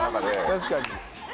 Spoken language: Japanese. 確かに。